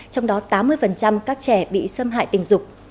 trong đó tám mươi các trẻ bị xâm hại tình dục